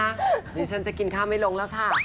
เดี๋ยวฉันจะกินข้าวไม่ลงแล้วค่ะ